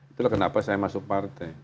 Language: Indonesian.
itulah kenapa saya masuk partai